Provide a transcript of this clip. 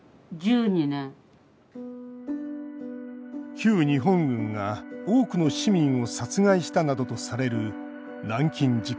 旧日本軍が多くの市民を殺害したなどとされる南京事件。